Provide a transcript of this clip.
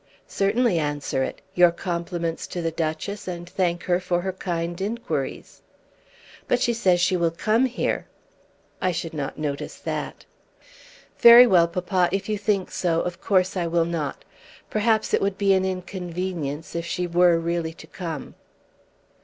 "Certainly answer it. Your compliments to the Duchess and thank her for her kind inquiries." "But she says she will come here." "I should not notice that." "Very well, papa. If you think so, of course I will not. Perhaps it would be an inconvenience, if she were really to come."